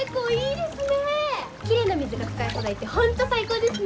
きれいな水が使い放題って本当最高ですね！